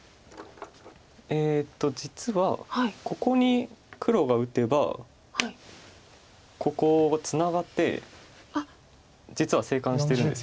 えっと実はここに黒が打てばここをツナがって実は生還してるんです。